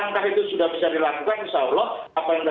insya allah akan bisa kita tekan